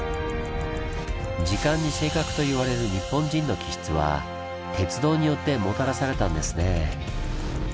時間に正確といわれる日本人の気質は鉄道によってもたらされたんですね。